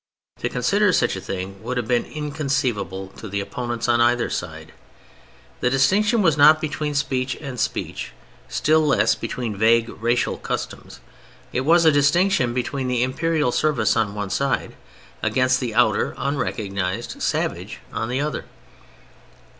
To consider such a thing would have been inconceivable to the opponents on either side. The distinction was not between speech and speech, still less between vague racial customs. It was a distinction between the Imperial Service on the one side, against the outer, unrecognized, savage on the other.